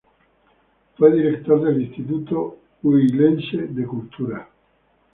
Fue director del Instituto Huilense de Cultura.